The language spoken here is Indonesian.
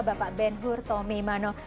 bapak ben hur tommy mano